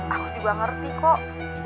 aku juga ngerti kok